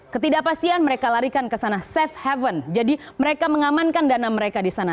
ketidakpastian mereka larikan ke sana safe haven jadi mereka mengamankan dana mereka di sana